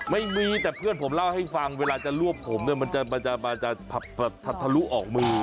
ไม่มีแต่เพื่อนผมเล่าให้ฟังเวลาจะรวบผมเนี่ยมันจะทะลุออกมือ